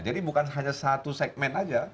bukan hanya satu segmen saja